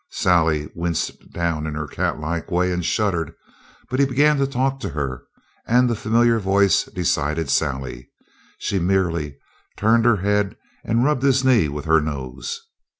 Sally winced down in her catlike way and shuddered, but he began to talk to her, and the familiar voice decided Sally. She merely turned her head and rubbed his knee with her nose.